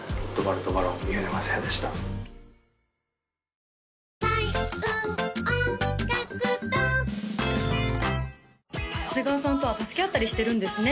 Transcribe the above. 三船雅也でした長谷川さんとは助け合ったりしてるんですね